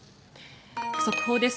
速報です。